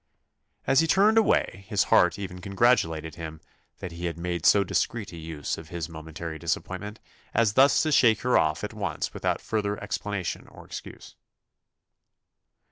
As he turned away, his heart even congratulated him "that he had made so discreet a use of his momentary disappointment, as thus to shake her off at once without further explanation or excuse."